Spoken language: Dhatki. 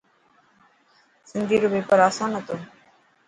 سنڌي رو پيپر اسان هتو.